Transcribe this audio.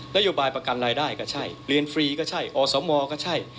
โยบายประกันรายได้ก็ใช่เรียนฟรีก็ใช่อสมก็ใช่